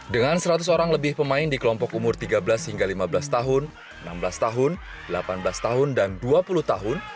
dengan seratus orang lebih pemain di kelompok umur tiga belas hingga lima belas tahun enam belas tahun delapan belas tahun dan dua puluh tahun